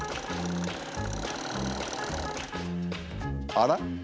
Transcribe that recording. あら？